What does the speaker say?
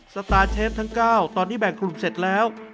สตาร์เชฟทั้ง๙ตอนนี้แบ่งกลุ่มเสร็จแล้ว